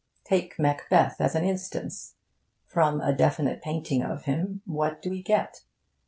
Take Macbeth as an instance. From a definite painting of him what do we get?